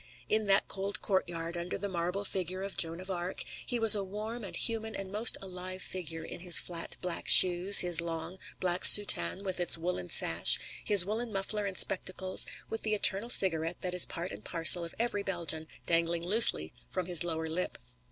In that cold courtyard, under the marble figure of Joan of Arc, he was a warm and human and most alive figure, in his flat black shoes, his long black soutane with its woollen sash, his woollen muffler and spectacles, with the eternal cigarette, that is part and parcel of every Belgian, dangling loosely from his lower lip.